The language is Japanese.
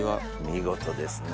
見事ですね。